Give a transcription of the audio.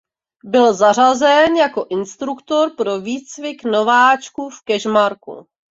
Byl zařazen jako instruktor pro výcvik nováčků v Kežmarku.